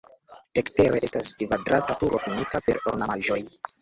Ekstere estas kvadrata turo finita per ornamaĵoj.